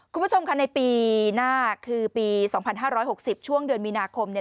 คุณผู้ชมค่ะในปีหน้าคือปี๒๕๖๐ช่วงเดือนมีนาคมเนี่ย